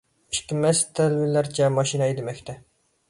ئىككى مەست تەلۋىلەرچە ماشىنا ھەيدىمەكتە.